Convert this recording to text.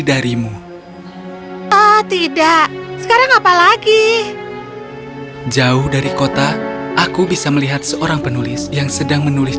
darimu oh tidak sekarang apalagi jauh dari kota aku bisa melihat seorang penulis yang sedang menulis